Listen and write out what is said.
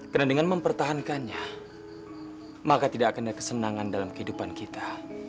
dan dengan mempertahankannya maka tidak akan ada kesenangan dalam kehidupan kita